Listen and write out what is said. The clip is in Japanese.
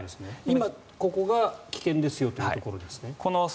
今、ここが危険ですよというところですかね。